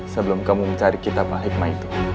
sebelum kamu mencari kitab hikmah itu